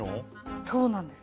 そうなんです。